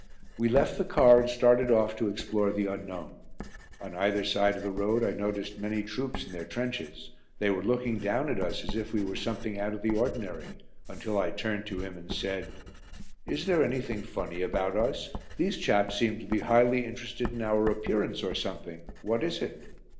We left the car and started off to explore the unknown. On either side of the road I noticed many troops in their trenches; they were looking down at us as if we were something out of the ordinary, until I turned to him and said: "Is there anything funny about us? These chaps seem to be highly interested in our appearance, or something. What is it?"